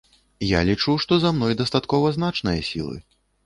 Я лічу, што за мной дастаткова значныя сілы.